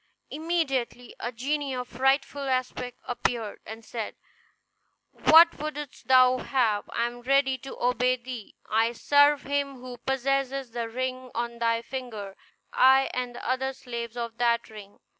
Immediately a genie of frightful aspect appeared, and said, "What wouldst thou have? I am ready to obey thee. I serve him who possesses the ring on thy finger; I and the other slaves of that ring."